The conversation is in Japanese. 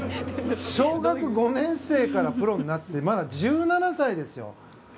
小学５年生からプロになってまだ１７歳ですよ。